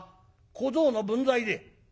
小僧の分際で。